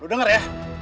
lu denger ya